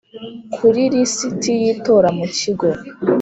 kuri lisiti y itora mu Kigo